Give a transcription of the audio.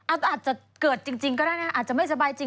อาจจะเกิดจริงก็ได้นะอาจจะไม่สบายจริง